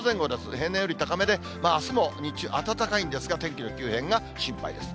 平年より高めで、あすも日中、暖かいんですが、天気の急変が心配です。